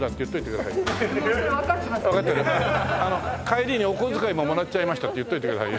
帰りにお小遣いももらっちゃいましたって言っといてください。